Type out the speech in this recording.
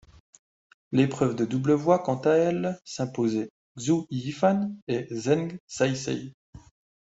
L'épreuve de double voit quant à elle s'imposer Xu Yifan et Zheng Saisai.